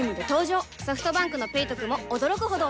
ソフトバンクの「ペイトク」も驚くほどおトク